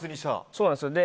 そうです。